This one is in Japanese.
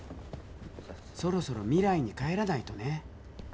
そろそろ未来に帰らないとね。